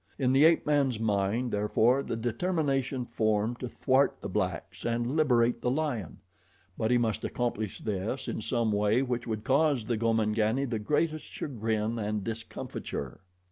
In the ape man's mind, therefore, the determination formed to thwart the blacks and liberate the lion; but he must accomplish this in some way which would cause the Gomangani the greatest chagrin and discomfiture.